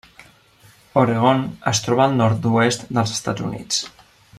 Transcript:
Oregon es troba al nord-oest dels Estats Units.